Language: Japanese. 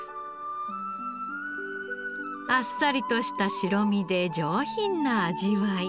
あっさりとした白身で上品な味わい。